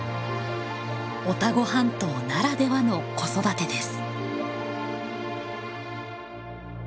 オタゴ半島ならではの子育てです。